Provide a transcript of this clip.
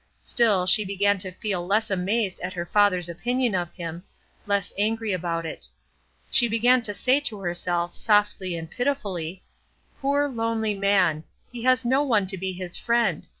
Still, she began to feel less amazed at her father's opinion of him, less angry about it. She began to say to herself, softly and pitifully: "Poor, lonely man! he has no one to be his friend.